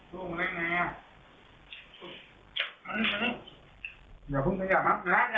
เฮ้ยลูกมันอะไรอย่างนี้อ่ะ